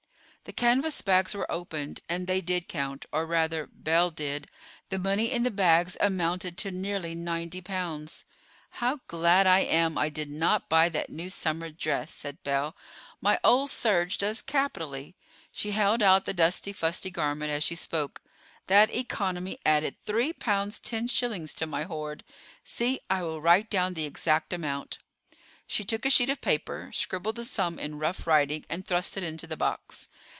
The canvas bags were opened, and they did count, or rather, Belle did. The money in the bags amounted to nearly ninety pounds. "How glad I am I did not buy that new summer dress," said Belle; "my old serge does capitally." She held out the dusty, fusty garment as she spoke. "That economy added three pounds ten shillings to my hoard. See, I will write down the exact amount." She took a sheet of paper, scribbled the sum in rough writing, and thrust it into the box.